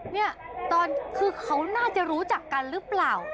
เนี่ยตอนคือเขาน่าจะรู้จักกันหรือเปล่า